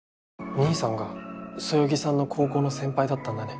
兄さんがそよぎさんの高校の先輩だったんだね。